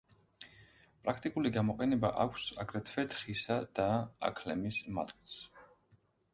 პრაქტიკული გამოყენება აქვს აგრეთვე თხისა და აქლემის მატყლს.